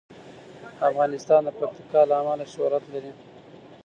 افغانستان د پکتیکا له امله شهرت لري.